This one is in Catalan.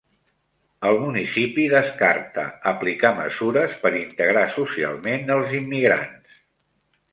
El municipi descarta aplicar mesures per integrar socialment els immigrants.